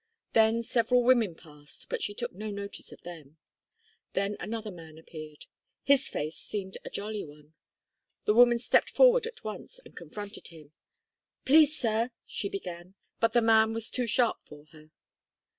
Then several women passed, but she took no notice of them. Then another man appeared. His face seemed a jolly one. The woman stepped forward at once and confronted him. "Please, sir," she began, but the man was too sharp for her.